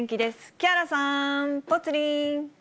木原さん、ぽつリン。